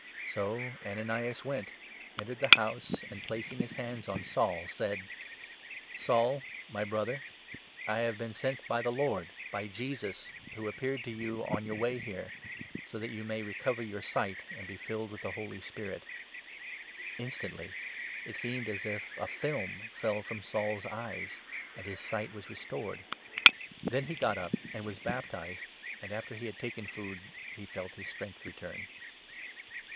So Ananias went, entered the house, and, placing his hands 17 on Saul, said :" Saul, my Brother, I have been sent by the Lord — by Jesus, who appeared to you on your way here — so that you may recover your sight and be filled with the Holy Spirit." Instantly it seemed as if a film fell from Saul's eyes, and his 18 sight was restored. Then he got up and was baptized, and, 19 after he had taken food, he felt his strength return.